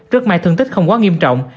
rất may thương tích không quá nghiêm trọng